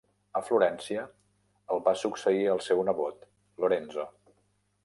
A Florència, el va succeir el seu nebot Lorenzo.